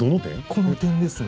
この点ですね。